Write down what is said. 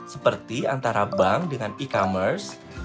seperti antara bank dengan e commerce